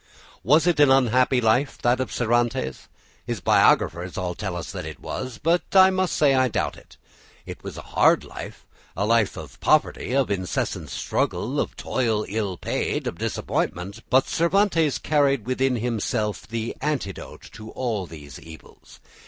Was it an unhappy life, that of Cervantes? His biographers all tell us that it was; but I must say I doubt it. It was a hard life, a life of poverty, of incessant struggle, of toil ill paid, of disappointment, but Cervantes carried within himself the antidote to all these evils.